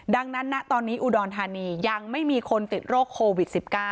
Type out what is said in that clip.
ดังนั้นนะตอนนี้อุดรธานียังไม่มีคนติดโรคโควิด๑๙